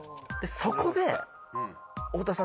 そこで太田さん